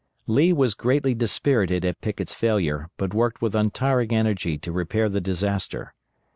Lee was greatly dispirited at Pickett's failure, but worked with untiring energy to repair the disaster.